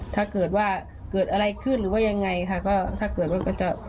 ถ้าเกิดว่าเกิดอะไรขึ้นหรือว่ายังไงค่ะก็ถ้าเกิดว่ามันจะ